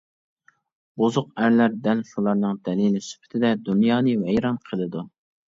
بۇزۇق ئەرلەر دەل شۇلارنىڭ دەلىلى سۈپىتىدە دۇنيانى ۋەيران قىلىدۇ.